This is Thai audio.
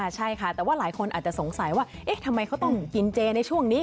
ใช่ค่ะแต่ว่าหลายคนอาจจะสงสัยว่าเอ๊ะทำไมเขาต้องกินเจในช่วงนี้